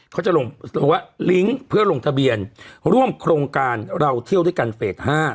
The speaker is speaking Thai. เขาจะลงว่าลิงก์เพื่อลงทะเบียนร่วมโครงการเราเที่ยวด้วยกันเฟส๕